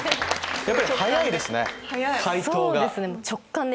やっぱり早いですね回答が。